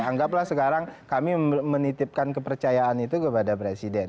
anggaplah sekarang kami menitipkan kepercayaan itu kepada presiden